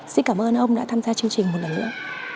xin cảm ơn ông đã tham gia chương trình một lần nữa